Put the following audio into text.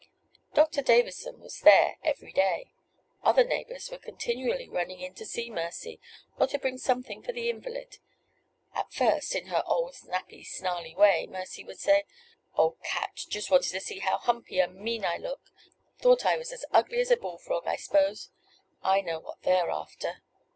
Doctor Davison was there every day. Other neighbors were continually running in to see Mercy, or to bring something for the invalid. At first, in her old, snappy, snarly way, Mercy would say: "Old cat! just wanted to see how humpy and mean I look. Thought I was as ugly as a bullfrog, I s'pose. I know what they're after!"